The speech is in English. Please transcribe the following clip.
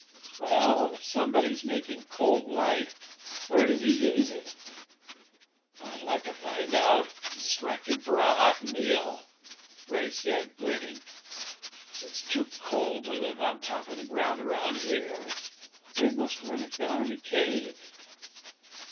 "Well, if somebody's making cold light, where does he use it?" "I'd like to find out, and strike him for a hot meal," Ray said, grinning. "It's too cold to live on top of the ground around here. They must run it down in a cave."